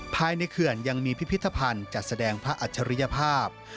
เขื่อนยังมีพิพิธภัณฑ์จัดแสดงพระอัจฉริยภาพ